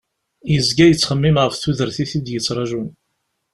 Yezga yettxemmim ɣef tudert i t-id-ittrajun.